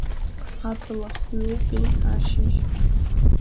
Абла хҩоупеи ашьыжь?!